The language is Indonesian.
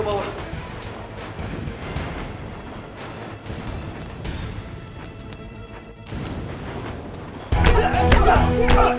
lambat sekali kalian